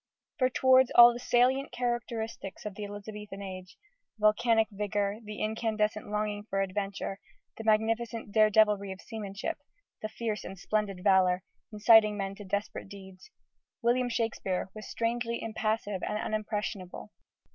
For towards all the salient characteristics of the Elizabethan age, the volcanic vigour, the incandescent longing for adventure, the magnificent dare devilry of seamanship, the fierce and splendid valour, inciting men to desperate deeds, William Shakespeare was strangely impassive and unimpressionable.